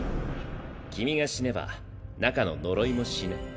君が死ねば中の呪いも死ぬ。